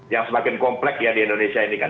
yang semakin komplek ya di indonesia ini kan